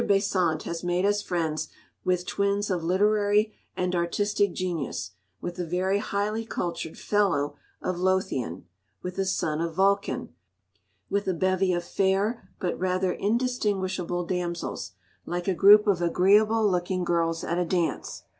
Besant has made us friends with twins of literary and artistic genius, with a very highly cultured Fellow of Lothian, with a Son of Vulcan, with a bevy of fair but rather indistinguishable damsels, like a group of agreeable looking girls at a dance.